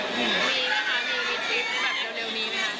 มีนะคะมีวิทยุความเร็วมีไหมครับ